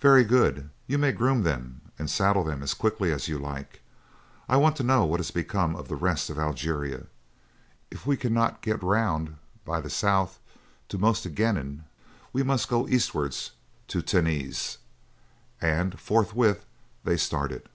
"Very good; you may groom them and saddle them as quickly as you like. I want to know what has become of the rest of Algeria: if we cannot get round by the south to Mostaganem, we must go eastwards to Tenes." And forthwith they started.